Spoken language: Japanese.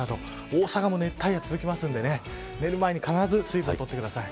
大阪も熱帯夜が続きますので寝る前に必ず水分を取ってください。